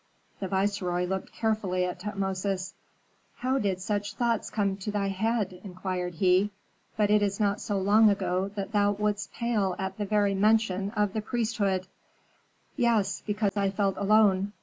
The viceroy looked carefully at Tutmosis. "How did such thoughts come to thy head?" inquired he. "But it is not so long ago that thou wouldst pale at the very mention of the priesthood." "Yes, because I felt alone.